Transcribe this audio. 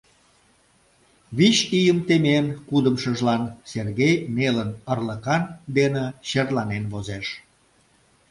Вич ийым темен, кудымшыжлан Сергей нелын ырлыкан дене черланен возеш.